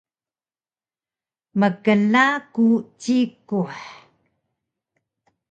mkla ku cikuh